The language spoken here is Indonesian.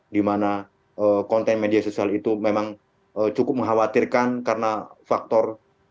dimana konten media sosial itu memang cukup mengkhawatirkan karena faktor